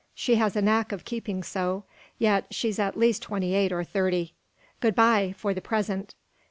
She has a knack of keeping so. Yet she's at least twenty eight or thirty. Good bye, for the present!"